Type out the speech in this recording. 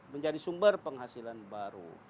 menjadi sumber penghasilan baru